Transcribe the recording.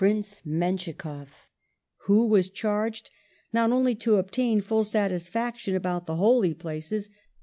Prince MenschikofF, who was charged not only to obtain full satisfaction about the Holy Places, but to ig.